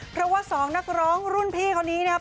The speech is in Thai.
เพราะว่าสองนักร้องรุ่นพี่คนนี้นะครับ